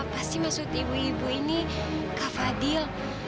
pasti maksud ibu ibu ini kak fadil